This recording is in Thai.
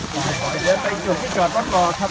เดี๋ยวไปจุดที่จอดรถต่อครับ